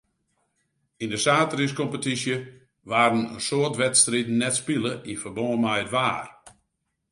Yn de saterdeiskompetysje waarden in soad wedstriden net spile yn ferbân mei it waar.